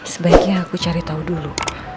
sebaiknya aku cari tahu dulu